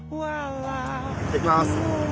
行ってきます。